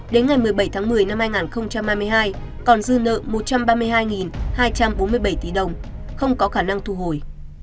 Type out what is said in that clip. đến ngày một mươi bảy tháng một mươi năm hai nghìn hai mươi hai còn dư nợ một trăm ba mươi hai hai trăm bốn mươi bảy tỷ đồng không có khả năng thu hồi